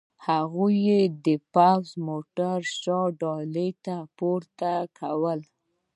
هغوی یې د پوځي موټر شاته ډالې ته پورته کول